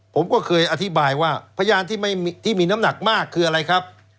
ผมก็เคยอธิบายว่าพยานที่มีน้ำหนักมากคืออะไรครับ